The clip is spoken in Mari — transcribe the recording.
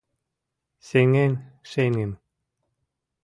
Сеҥен — шеҥын.